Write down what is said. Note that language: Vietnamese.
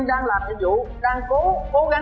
tôi đang làm cái vụ đang cố cố gắng để mà thực hiện